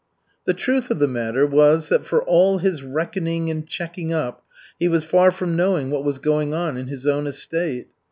The truth of the matter was that for all his reckoning and checking up he was far from knowing what was going on on his own estate.